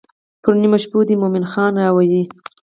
پر نیمو شپو دې مومن خان راوی.